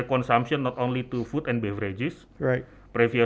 konsumsi mereka bukan hanya untuk makanan dan beberapa makanan